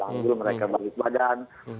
langsung mereka balik badan